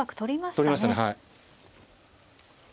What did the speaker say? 取りましたねはい。